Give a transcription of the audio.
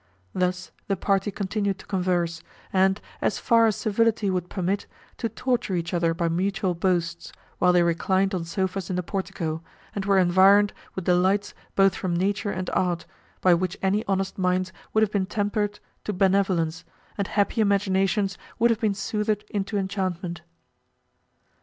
Thus the party continued to converse, and, as far as civility would permit, to torture each other by mutual boasts, while they reclined on sofas in the portico, and were environed with delights both from nature and art, by which any honest minds would have been tempered to benevolence, and happy imaginations would have been soothed into enchantment.